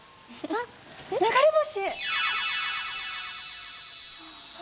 あっ流れ星！